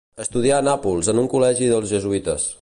Estudià a Nàpols en un col·legi dels jesuïtes.